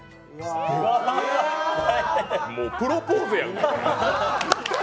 もうプロポーズやんか。